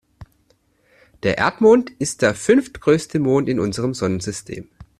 Der Erdmond ist der fünftgrößte Mond in unserem Sonnensystem.